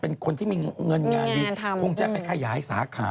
เป็นคนที่มีเงินงานดีคงจะไปขยายสาขา